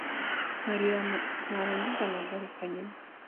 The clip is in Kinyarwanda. nkarira narangiza nkagaruka, nyuma